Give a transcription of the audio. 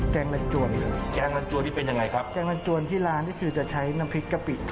ซาก่ายซอยลงไป